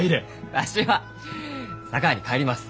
わしは佐川に帰ります。